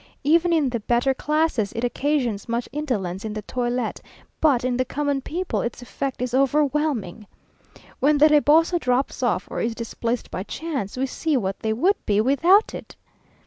Even in the better classes, it occasions much indolence in the toilet, but in the common people, its effect is overwhelming. When the reboso drops off, or is displaced by chance, we see what they would be without it!